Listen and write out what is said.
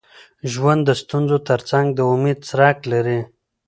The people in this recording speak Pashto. ژوند د ستونزو تر څنګ د امید څرک لري.